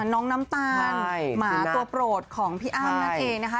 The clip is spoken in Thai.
น้ำตาลหมาตัวโปรดของพี่อ้ำนั่นเองนะคะ